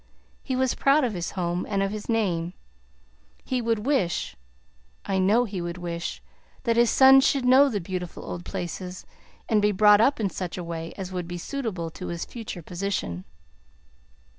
He was proud of his home, and of his name. He would wish I know he would wish that his son should know the beautiful old places, and be brought up in such a way as would be suitable to his future position."